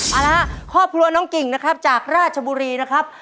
เอาละครอบครัวน้องกิ่งนะครับจากราชบุรีนะครับ